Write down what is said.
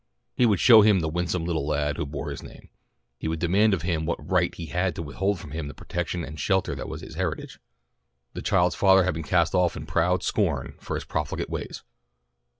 He would show him the winsome little lad who bore his name. He would demand of him what right he had to withhold from him the protection and shelter that was his heritage. The child's father had been cast off in proud scorn for his profligate ways.